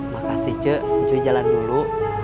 makasih cuy cuy jalan dulu